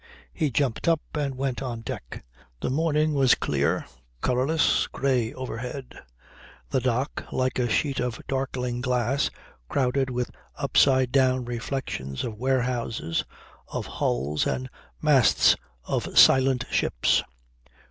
He jumped up and went on deck. The morning was clear, colourless, grey overhead; the dock like a sheet of darkling glass crowded with upside down reflections of warehouses, of hulls and masts of silent ships.